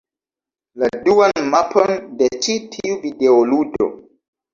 La duan mapon de ĉi tiu videoludo.